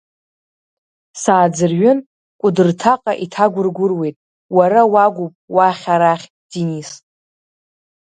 Сааӡырҩын, Кәыдырҭаҟа иҭагәыргәыруеит, уара уагуп уахь, арахь, Денис.